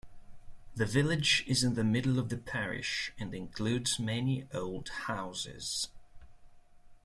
The village is in the middle of the parish, and includes many old houses.